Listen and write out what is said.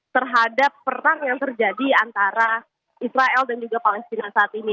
terhadap perang yang terjadi antara israel dan juga palestina saat ini